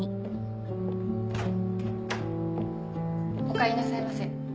おかえりなさいませ。